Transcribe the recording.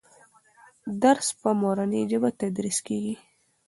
درس په مورنۍ ژبه تدریس کېږي.